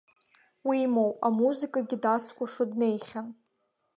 Уимоу, амузыкагьы дацкәашо днеихьан.